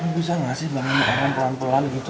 bisa gak sih bangun pelan pelan gitu